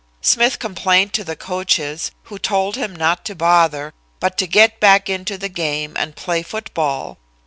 Smith complained to the coaches, who told him not to bother, but to get back into the game and play football.